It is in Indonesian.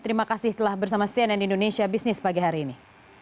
terima kasih telah bersama cnn indonesia business pagi hari ini